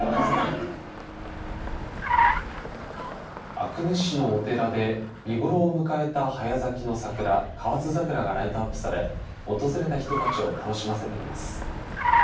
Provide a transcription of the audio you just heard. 阿久根市のお寺で見頃を迎えた早咲きの桜河津桜がライトアップされ訪れた人たちを楽しませています。